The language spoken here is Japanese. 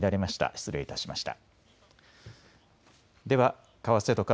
失礼いたしました。